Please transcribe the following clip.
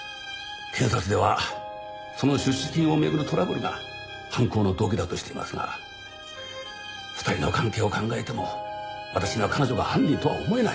検察ではその出資金をめぐるトラブルが犯行の動機だとしていますが２人の関係を考えても私には彼女が犯人とは思えない。